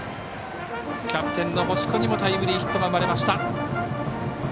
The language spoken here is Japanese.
キャプテンの星子にもタイムリーヒットが生まれました。